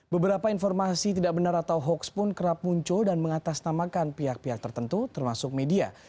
beberapa informasi tidak benar atau hoax pun kerap muncul dan mengatasnamakan pihak pihak tertentu termasuk media